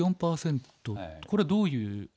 これどういう。